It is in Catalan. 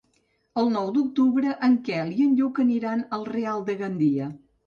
El nou d'octubre en Quel i en Lluc aniran al Real de Gandia.